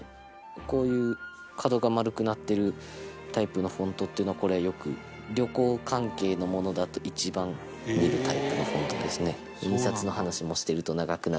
こういう角が丸くなってるタイプのフォントっていうのはこれよく旅行関係のものだと一番見るタイプのフォントですね。